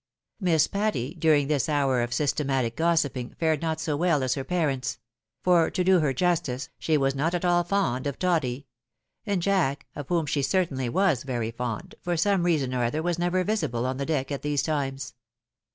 Miss Patty, during this hour of systematic gossiping, fared not so well as her parents : for to do her justice, she was not at all fond of toddy ; and Jack, of whom she cer tainly was very fond, for some reason or other was never visible on the deck at these times.